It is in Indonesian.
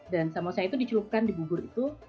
dan samosa itu dicurupkan di bubur itu